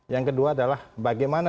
yang kedua adalah bagaimana